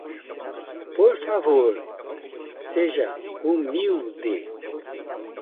Por favor,? seja humilde.